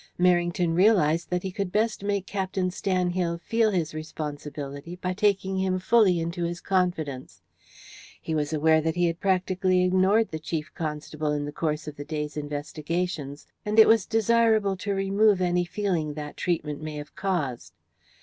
Merrington realized that he could best make Captain Stanhill feel his responsibility by taking him fully into his confidence. He was aware that he had practically ignored the Chief Constable in the course of the day's investigations, and it was desirable to remove any feeling that treatment may have caused.